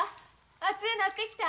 熱うなってきた？